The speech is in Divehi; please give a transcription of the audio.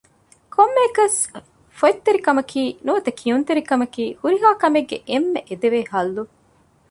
ކޮންމެއަކަސް ފޮތްތެރިކަމަކީ ނުވަތަ ކިޔުންތެރިކަމަކީ މި ހުރިހާ ކަމެއްގެ އެންމެ އެދެވޭ ޙައްލު